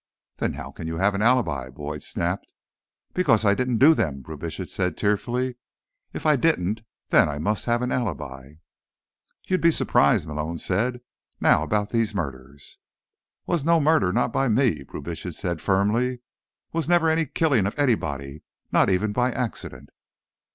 "Then how can you have an alibi?" Boyd snapped. "Because I didn't do them!" Brubitsch said tearfully. "If I didn't, then I must have alibi!" "You'd be surprised," Malone said. "Now, about these murders—" "Was no murder, not by me," Brubitsch said firmly. "Was never any killing of anybody, not even by accident."